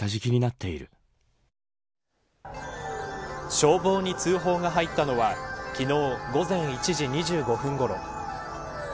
消防に通報が入ったのは昨日午前１時２５分ごろ。